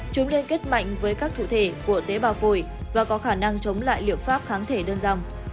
chúng liên kết mạnh với các thủ thể của tế bào phổi và có khả năng chống lại liệu pháp kháng thể đơn dòng